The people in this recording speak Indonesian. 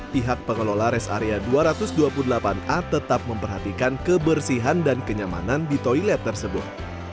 pihak pengelola res area dua ratus dua puluh delapan a tetap memperhatikan kebersihan dan kenyamanan di toilet tersebut